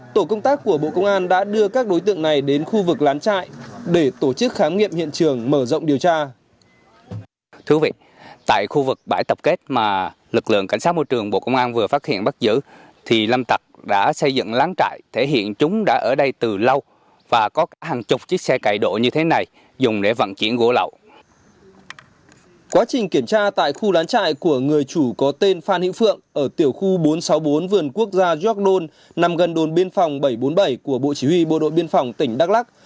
tổ công tác của bộ công an phát hiện có ba xe máy kéo bốn xe gieo không có biển số hai xe máy bốn máy cưa gỗ và một số phương tiện khác